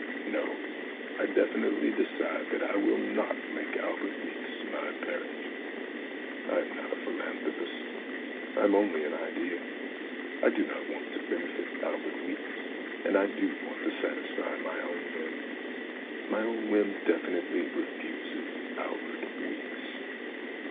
No, I definitely decide that I will not make Albert Weeks my parent. I am not a philanthropist ; I am only an idea. I do not want to benefit Albert Weeks, and I do want to satisfy my own whim. My own whim definitely refuses Albert Weeks.